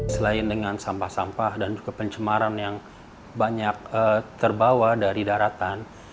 selain dengan sampah sampah dan juga pencemaran yang banyak terbawa dari daratan